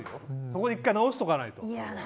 そこで１回直しておかないと。